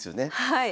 はい。